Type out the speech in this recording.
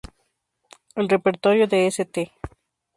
El repertorio de St.